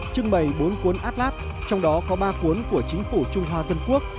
trưng bày bốn cuốn atlat trong đó có ba cuốn của chính phủ trung hoa dân quốc